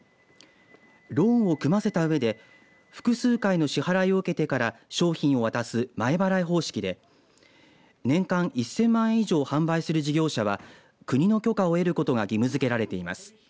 ローンを組ませたうえで複数回の支払いを受けてから商品を渡す前払い方式で年間１０００万円以上販売する事業者は国の許可を得ることが義務づけられています。